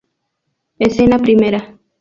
Escena primera.